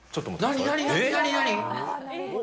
何、何、何、何？